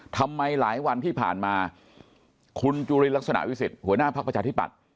ทำไมหลายวันที่ผ่านมาคุณจุลินลักษณะวิสิทธิ์หัวหน้าภักดิ์ประชาธิบัติ